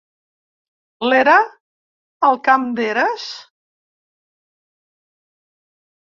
L'era, el camp d'eres?